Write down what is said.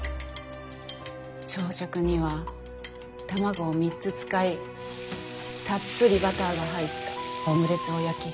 朝食には卵を３つ使いたっぷりバターが入ったオムレツを焼き。